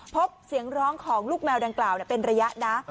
พบเสียงร้องของลูกแมวดังกล่าวเป็นระยะนะ